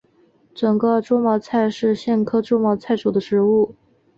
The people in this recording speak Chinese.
准噶尔猪毛菜是苋科猪毛菜属的植物。